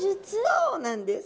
そうなんです。